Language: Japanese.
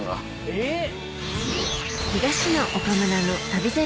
えっ！